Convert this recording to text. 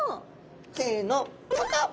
せのパカッ！